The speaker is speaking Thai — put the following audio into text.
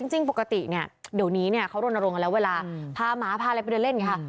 จริงปกติเนี่ยเดี๋ยวนี้เนี่ยเขาโดนอารมณ์แล้วเวลาพาหมาพาอะไรไปเดินเล่นไงค่ะ